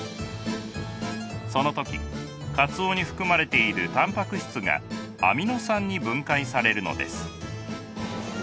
その時かつおに含まれているたんぱく質がアミノ酸に分解されるのです。